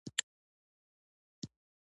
کان کیندونکي د ځمکپوهانو سره سیالي کوي